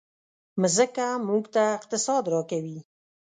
مځکه موږ ته اقتصاد راکوي.